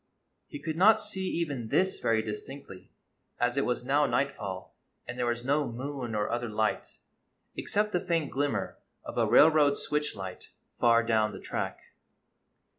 He could not see even this very distinctly, as it was now nightfall, and there was no moon or other light except the faint glimmer of a rail road switch light far down the track.